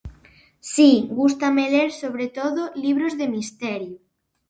Si, gústame ler, sobre todo, libros de misterio.